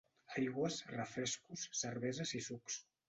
Aigües, refrescos, cerveses i sucs.